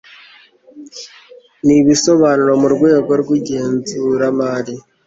n ibisobanuro mu rwego rw igenzuramari